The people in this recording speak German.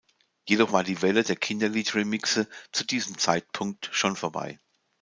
Jedoch war die Welle der Kinderlied-Remixe zu diesem Zeitpunkt schon vorbei.